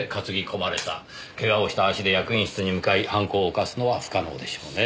けがをした足で役員室に向かい犯行を犯すのは不可能でしょうねぇ。